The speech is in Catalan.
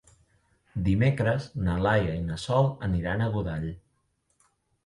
Dimecres na Laia i na Sol aniran a Godall.